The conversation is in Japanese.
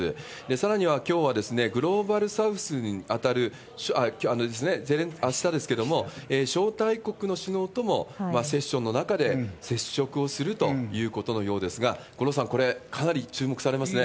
さらには、きょうはグローバルサウスに当たる、、あしたですけれども、招待国の首脳ともセッションの中で接触をするということのようですが、五郎さん、これ、かなり注目されますね。